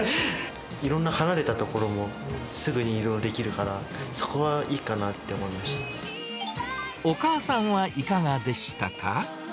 いろんな離れた所も、すぐに移動できるから、お母さんはいかがでしたか？